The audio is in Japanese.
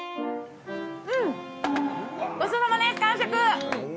ごちそうさまです完食！